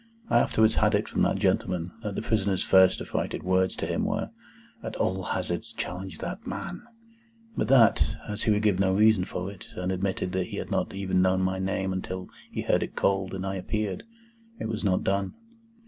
I afterwards had it from that gentleman, that the prisoner's first affrighted words to him were, "At all hazards, challenge that man!" But that, as he would give no reason for it, and admitted that he had not even known my name until he heard it called and I appeared, it was not done.